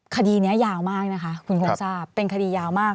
คดีนี้ยาวมากนะคะคุณคงทราบเป็นคดียาวมาก